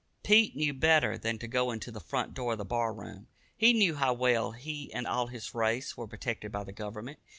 Pete knew better than to go into the front door of the bar room. He knew how well he and all his race are protected by the government.